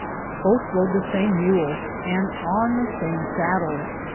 Both rode the same mule and on the same saddle.